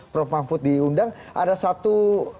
prof mahfud diundang ada satu